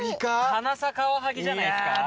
鼻差カワハギじゃないですか？